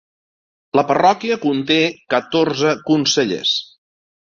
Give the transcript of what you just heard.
La parròquia conté catorze consellers.